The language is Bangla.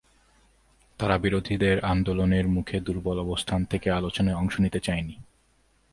তারা বিরোধীদের আন্দোলনের মুখে দুর্বল অবস্থান থেকে আলোচনায় অংশ নিতে চায়নি।